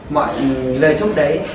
mọi lời chúc đấy